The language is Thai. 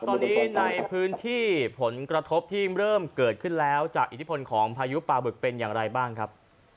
ตอนนี้ในพื้นที่ผลกระทบที่เริ่มเกิดขึ้นแล้วจากอิทธิพลของพายุปลาบึกเป็นอย่างไรบ้างครับ